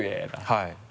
はい。